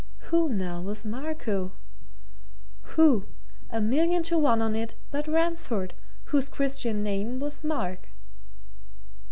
Who, now, was Marco? Who a million to one on it! but Ransford, whose Christian name was Mark?